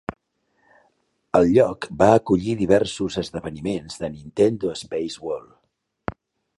El lloc va acollir diversos esdeveniments de Nintendo Space World.